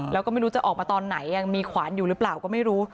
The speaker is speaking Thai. แล้วก็ไม่รู้จะออกมาตอนไหนยังมีขวานอยู่หรือเปล่าก็ไม่รู้